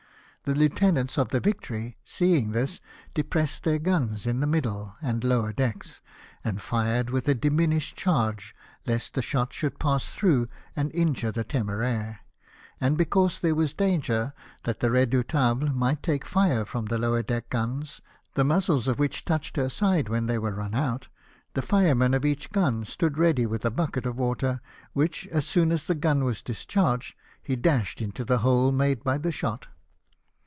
The lieutenants of the Victory, seeing MORTALLY WOUNDED. 315 this, depressed their guns of the middle and lower decks, and fired with a diminished charge lest the shot should pass through and injure the Temeraire. And because there was danger that the Redouhtahle might take fire from the lower deck guns, the muzzles of which touched her side when they were run out, the fireman of each gun stood ready with a bucket of water which, as soon as the gun was discharged, he dashed into the hole made by the shot.